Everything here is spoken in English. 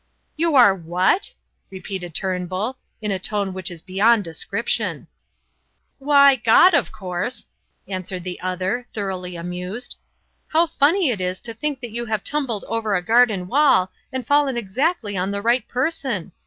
"You are what?" repeated Turnbull, in a tone which is beyond description. "Why, God, of course!" answered the other, thoroughly amused. "How funny it is to think that you have tumbled over a garden wall and fallen exactly on the right person!